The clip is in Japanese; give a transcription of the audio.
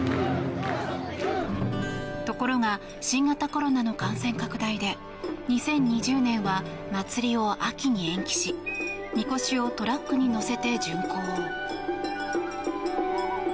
ところが新型コロナの感染拡大で２０２０年は祭りを秋に延期しみこしをトラックに載せて巡行。